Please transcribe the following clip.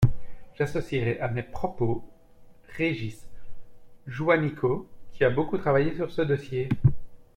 J’associerai à mes propos Régis Juanico, qui a beaucoup travaillé sur ce dossier.